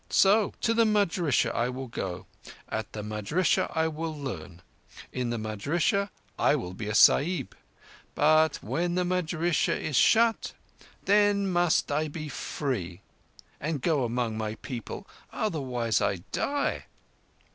So! To the madrissah I will go. At the madrissah I will learn. In the madrissah I will be a Sahib. But when the madrissah is shut, then must I be free and go among my people. Otherwise I die!"